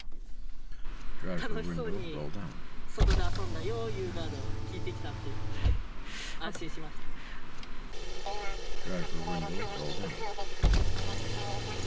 楽しそうに、外で遊んだよーというのを聞いてきたので、安心しました。